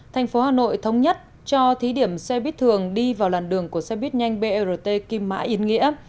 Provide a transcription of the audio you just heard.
thành phố hà nội thống nhất cho thí điểm xe bít thường đi vào làn đường của xe buýt nhanh brt kim mã yên nghĩa